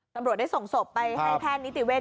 ตำรวจได้ส่งศพไปให้แพทย์นิติเวศ